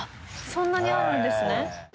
そんなにあるんですね。